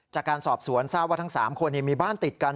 จากการสอบสวนทราบว่าทั้ง๓คนมีบ้านติดกัน